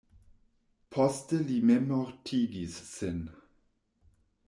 Poste li memmortigis sin.